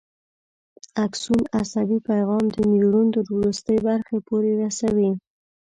اکسون عصبي پیغام د نیورون تر وروستۍ برخې پورې رسوي.